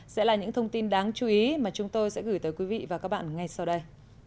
sẽ là những thông tin đáng chú ý mà chúng tôi sẽ gửi tới quý vị và các bạn ngay sau đây